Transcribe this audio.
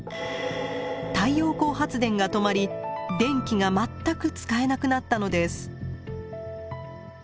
太陽光発電が止まり電気が全く使えなくなったのです。